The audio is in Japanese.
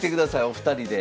お二人で。